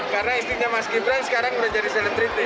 karena istrinya mas gibran sekarang udah jadi selendriti